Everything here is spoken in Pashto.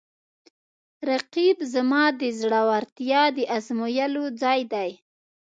رقیب زما د زړورتیا د ازمویلو ځای دی